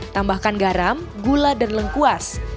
tambahkan garam gula dan lengkuas